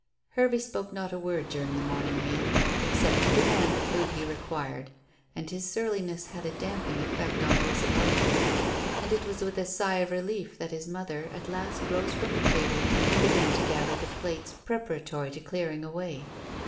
Hervey spoke not a word during the morning meal, except to demand the food he required, and his surliness had a damping effect on those about him, and it was with a sigh of relief that his mother at last rose from the table and began to gather the plates preparatory to clearing away.